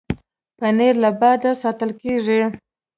پنېر له باده ساتل کېږي.